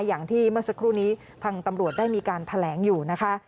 อย่างที่เมื่อสักครู่นี้ทางตำรวจได้มีการแถลงอยู่นะคะ